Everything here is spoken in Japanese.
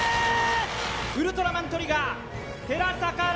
ウルトラマントリガー寺坂頼